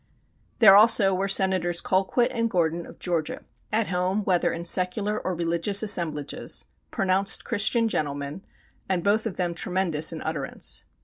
There also were Senators Colquitt and Gordon of Georgia, at home whether in secular or religious assemblages, pronounced Christian gentlemen, and both of them tremendous in utterance.